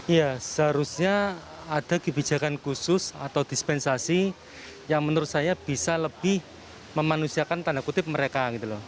ya seharusnya ada kebijakan khusus atau dispensasi yang menurut saya bisa lebih memanusiakan tanda kutip mereka